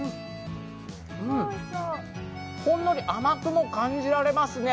うん、ほんのり甘くも感じらますね。